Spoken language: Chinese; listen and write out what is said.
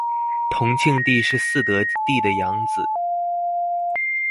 同庆帝是嗣德帝的养子。